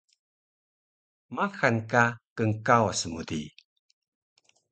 Maxal ka knkawas mu di